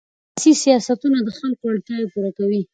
سیاسي سیاستونه د خلکو اړتیاوې پوره کوي